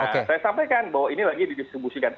nah saya sampaikan bahwa ini lagi didistribusikan